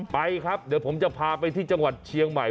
ไปครับเดี๋ยวผมจะพาไปที่จังหวัดเชียงใหม่